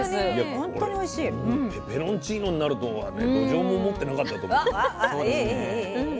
ペペロンチーノになるとはねどじょうも思ってなかったと思うよ。